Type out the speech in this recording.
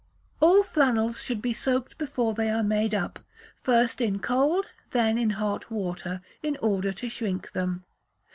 All Flannels should be soaked before they are made up, first in cold, then in hot water, in order to shrink them.